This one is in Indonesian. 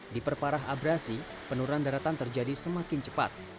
di perparah abrasi penurunan daratan terjadi semakin cepat